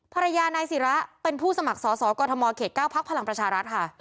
ภรรยานายศิระเป็นผู้สมัครสอสอกรทมเขต๙พักพลังประชารัฐค่ะ